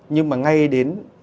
nhưng mà ngay đến